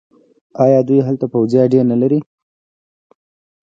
آیا دوی هلته پوځي اډې نلري؟